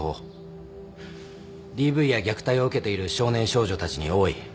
ＤＶや虐待を受けている少年少女たちに多い。